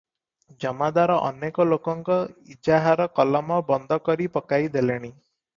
ଜମାଦାର ଅନେକ ଲୋକଙ୍କ ଇଜାହାର କଲମ ବନ୍ଦ କରି ପକାଇ ଦେଲେଣି ।